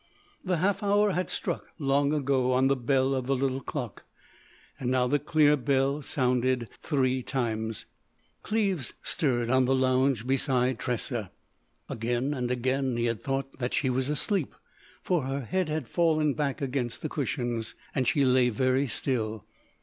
The half hour had struck long ago on the bell of the little clock. Now the clear bell sounded three times. Cleves stirred on the lounge beside Tressa. Again and again he had thought that she was asleep for her head had fallen back against the cushions, and she lay very still.